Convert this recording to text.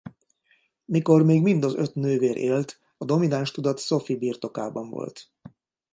Mikor még mind az öt nővér élt a domináns tudat Sophie birtokában volt.